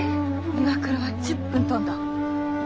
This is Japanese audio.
岩倉は１０分飛んだ。